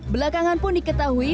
belakangan pun diketahui